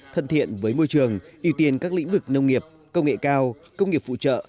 thân thiện với môi trường ưu tiên các lĩnh vực nông nghiệp công nghệ cao công nghiệp phụ trợ